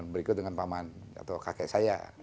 berikut dengan pak man atau kakek saya